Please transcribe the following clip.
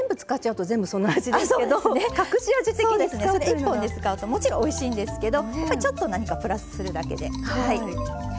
１本で使うともちろんおいしいんですけどやっぱりちょっと何かプラスするだけではい。